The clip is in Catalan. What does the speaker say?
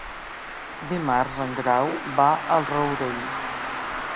Dimarts en Grau va al Rourell.